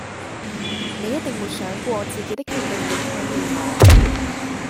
你一定沒想過自己的決定影響了我